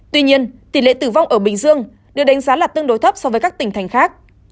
tuy nhiên tỷ lệ tử vong ở bình dương được đánh giá là tương đối thấp so với các tỉnh thành khác